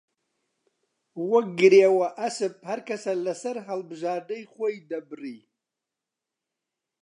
وەک گرێوە ئەسپ هەر کەسە لە سەر هەڵبژاردەی خۆی دەبڕی